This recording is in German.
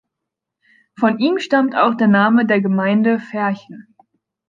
Von ihm stammt auch der Name der Gemeinde Verchen.